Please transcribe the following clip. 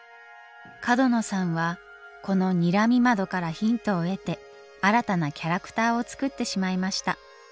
角野さんはこのにらみ窓からヒントを得て新たなキャラクターを作ってしまいました。